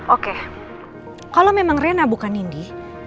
oke kalau memang rena bukan nindi